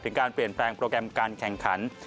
การเปลี่ยนแปลงโปรแกรมการแข่งขัน